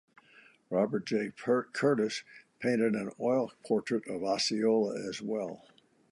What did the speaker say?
Robert J. Curtis painted an oil portrait of Osceola as well.